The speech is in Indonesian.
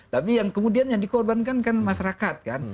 tapi yang kemudian yang dikorbankan kan masyarakat kan